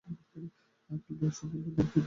অখিল এসে বললে, বাবুটি দরজায় ধাক্কা মারতে শুরু করেছে।